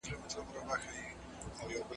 په جګړه کي د ملکي خلګو وژل جواز نه لري.